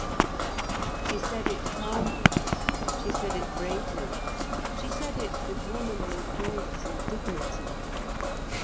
She said it proudly; she said it bravely. She said it with womanly grace and dignity.